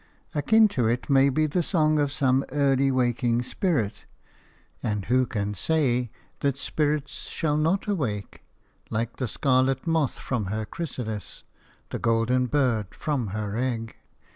Akin to it may be the song of some early waking spirit (and who can say that spirits shall not awake, like the scarlet moth from her chrysalis, the golden bird from her egg?)